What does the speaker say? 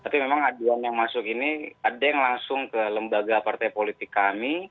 tapi memang aduan yang masuk ini ada yang langsung ke lembaga partai politik kami